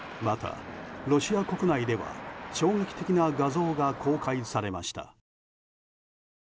またロシア国内では衝撃的な画像が公開されました。